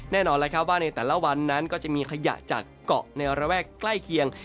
แน่นอนแล้วครับว่าในแต่ละวันนั้นก็จะมีขยะจากเกาะในระแวกใกล้เคียง